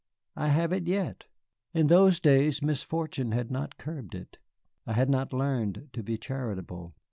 "I have it yet. In those days misfortune had not curbed it. I had not learned to be charitable.